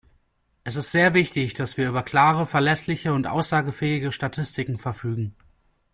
Es ist sehr wichtig, dass wir über klare, verlässliche und aussagefähige Statistiken verfügen.